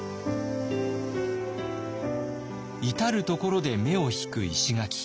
至る所で目を引く石垣。